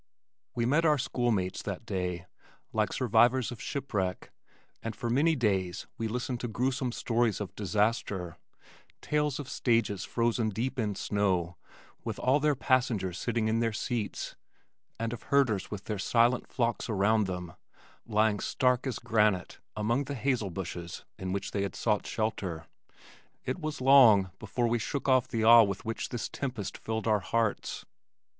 We met our school mates that day, like survivors of shipwreck, and for many days we listened to gruesome stories of disaster, tales of stages frozen deep in snow with all their passengers sitting in their seats, and of herders with their silent flocks around them, lying stark as granite among the hazel bushes in which they had sought shelter. It was long before we shook off the awe with which this tempest filled our hearts.